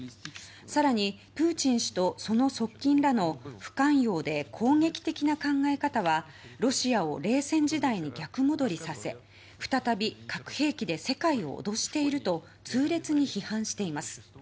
更に、プーチン氏とその側近らの不寛容で攻撃的な考え方はロシアを冷戦時代に逆戻りさせ再び核兵器で世界を脅していると痛烈に批判しています。